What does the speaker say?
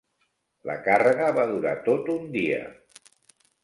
La càrrega va durar tot un dia.